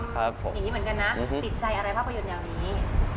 ติดใจอะไรภาพประโยชน์แนวนี้